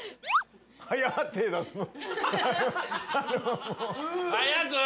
早っ手出すの。